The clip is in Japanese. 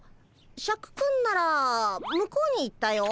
シャクくんなら向こうに行ったよ。